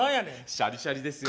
シャリシャリですよ。